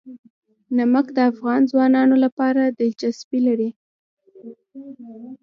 نمک د افغان ځوانانو لپاره دلچسپي لري.